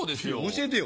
教えてよ。